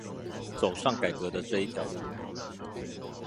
走上改革的這一條路